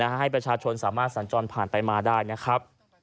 ให้ประชาชนสามารถสัญจรผ่านไปมาได้นะครับ